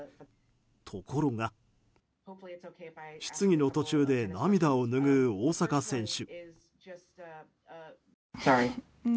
ところが質疑の途中で涙をぬぐう大坂選手。